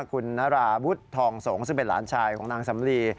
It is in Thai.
คุณนาราวุฒิทองสงฆ์ซึ่งเป็นหลานชายของนางสำลี